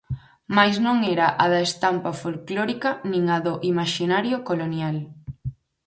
Mais non era a da estampa folclórica nin a do imaxinario colonial.